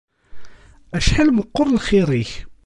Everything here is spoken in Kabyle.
Acḥal meqqer lxir-ik.